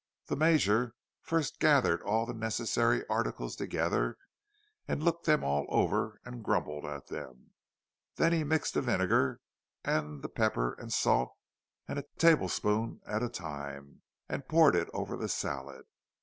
The Major first gathered all the necessary articles together, and looked them all over and grumbled at them. Then he mixed the vinegar and the pepper and salt, a tablespoonful at a time, and poured it over the salad.